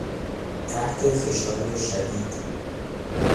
تحت فشار شدید